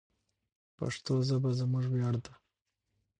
پښتو ژبه زموږ ویاړ دی.